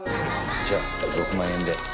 じゃあ６万円で。